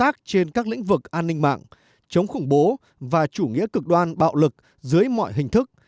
hai bên có thể hợp tác trên các lĩnh vực an ninh mạng chống khủng bố và chủ nghĩa cực đoan bạo lực dưới mọi hình thức